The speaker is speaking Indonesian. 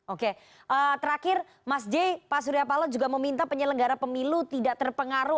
oke terakhir mas j pak surya paloh juga meminta penyelenggara pemilu tidak terpengaruh